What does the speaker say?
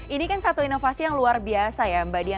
ini kan satu inovasi yang luar biasa ya mbak dian